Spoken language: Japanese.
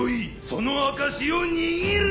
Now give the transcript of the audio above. その証しを握る！